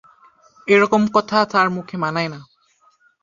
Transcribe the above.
এরকম কথা তাঁর মুখে মানায় না।